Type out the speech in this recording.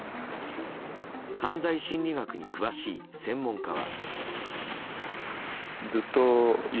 犯罪心理学に詳しい専門家は。